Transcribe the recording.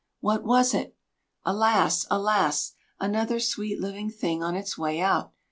What was it? Alas! alas! another sweet living thing on its way out.